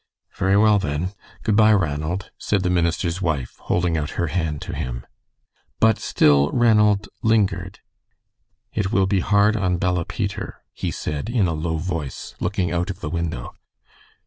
"Very well, then. Good by, Ranald," said the minister's wife, holding out her hand to him. But still Ranald lingered. "It will be hard on Bella Peter," he said, in a low voice, looking out of the window.